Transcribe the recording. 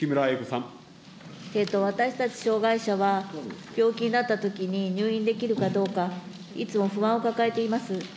私たち障害者は、病気になったときに入院できるかどうか、いつも不安を抱えています。